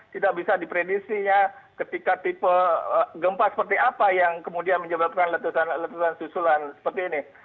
tidak bisa diprediksinya ketika tipe gempa seperti apa yang kemudian menyebabkan letusan susulan seperti ini